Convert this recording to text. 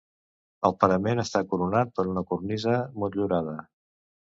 El parament està coronat per una cornisa motllurada.